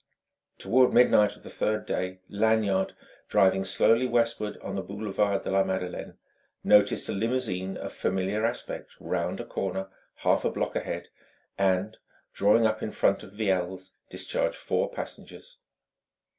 Toward midnight of the third day, Lanyard, driving slowly westward on the boulevard de la Madeleine, noticed a limousine of familiar aspect round a corner half a block ahead and, drawing up in front of Viel's, discharge four passengers.